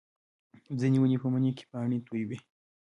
ځینې ونې په مني کې پاڼې تویوي